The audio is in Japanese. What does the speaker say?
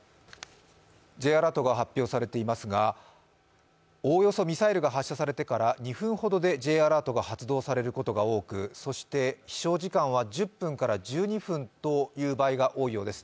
Ｊアラートが発表されていますがおおよそミサイルが発射されてから２分ほどでＪアラートが発動されることが多くそして飛しょう時間は１０分から１２分という場合が多いようです。